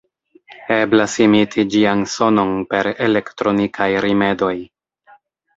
Eblas imiti ĝian sonon per elektronikaj rimedoj.